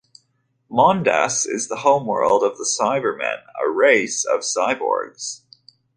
Mondas is the homeworld of the Cybermen, a race of cyborgs.